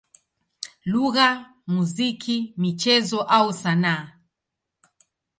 lugha, muziki, michezo au sanaa.